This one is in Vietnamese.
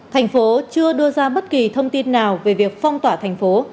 thành phố chưa đưa ra bất kỳ thông tin nào về việc phong tỏa thành phố